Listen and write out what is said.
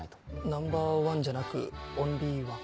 ナンバーワンじゃなくオンリーワン。